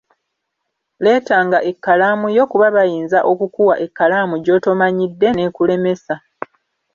Leetanga ekkalamu yo, kuba bayinza okukuwa ekkalamu gy'otomanyidde n'ekulemesa.